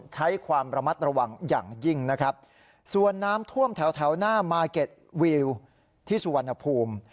ใช้ความระมัดระวังอย่างยิ่งนะครับส่วนน้ำท่วมแถวแถวหน้ามาร์เก็ตวิวที่สุวรรณภูมิ